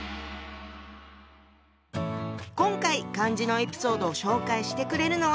今回漢字のエピソードを紹介してくれるのは。